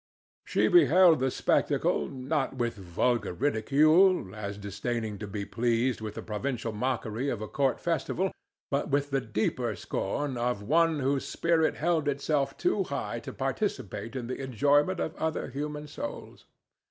She beheld the spectacle not with vulgar ridicule, as disdaining to be pleased with the provincial mockery of a court festival, but with the deeper scorn of one whose spirit held itself too high to participate in the enjoyment of other human souls.